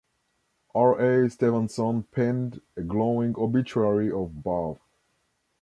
R. L. Stevenson penned a glowing obituary of Bough.